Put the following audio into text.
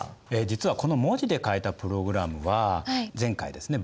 実はこの文字で書いたプログラムは前回ですね